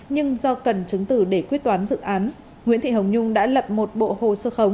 nhưng do cần chứng tử để quyết toán dự án nguyễn thị hồng nhung đã lập một bộ hồ sơ khống